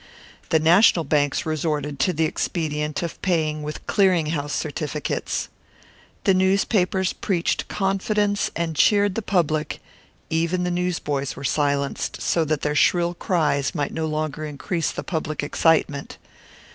The national banks resorted to the expedient of paying with clearing house certificates. The newspapers preached confidence and cheered the public even the newsboys were silenced, so that their shrill cries might no longer increase the public excitement.